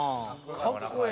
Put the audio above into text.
かっこええ。